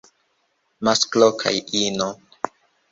Masklo kaj ino.